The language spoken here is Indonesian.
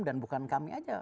dan bukan kami saja